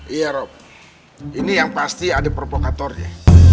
iya rob ini yang pasti ada provokatornya